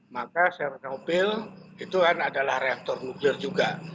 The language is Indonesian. maka sernopil itu kan adalah reaktor nuklir juga